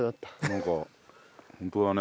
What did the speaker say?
なんか本当だね。